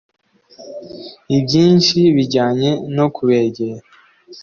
Ibyinshi bijyanye no kubegera